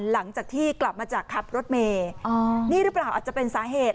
หลังจากที่กลับมาจากขับรถเมย์นี่หรือเปล่าอาจจะเป็นสาเหตุ